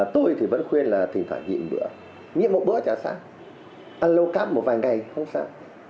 tôi thì vẫn khuyên là thỉnh thoảng nhịn một bữa nhiễm một bữa chả sao alocap một vài ngày không sao